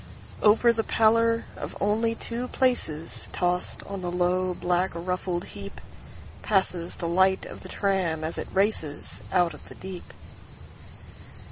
Over the pallor of only two placesTossed on the low, black, ruffled heapPasses the light of the tram as it racesOut of the deep.